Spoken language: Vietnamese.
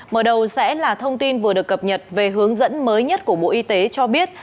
mở đầu sẽ là thông tin vừa được cập nhật về hướng dẫn mới nhất của bộ y tế cho biết